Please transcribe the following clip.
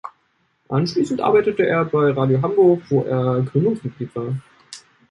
Anschließend arbeitete er bei Radio Hamburg, wo er Gründungsmitglied war.